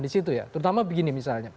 di situ ya terutama begini misalnya